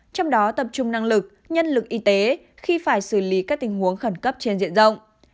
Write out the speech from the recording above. trong đó tập trung năng lực nhân lực y tế khi phải xử lý các tình huống khẩn cấp trên diện rộng